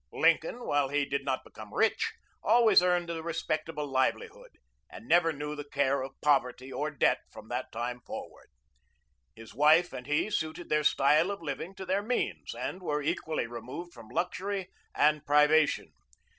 Lincoln, while he did not become rich, always earned a respectable livelihood, and never knew the care of poverty or debt from that time forward, His wife and he suited their style of living to their means, and were equally removed from luxury and privation.